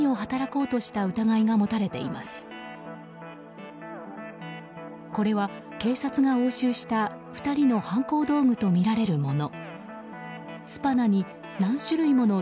これは警察が押収した２人の犯行道具とみられるもの。